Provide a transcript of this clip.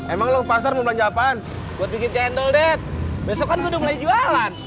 emang lu ke pasar mau belanja apaan buat bikin cendol net besok kan gue udah mulai jualan